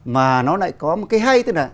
mà nó lại có một cái hay tên là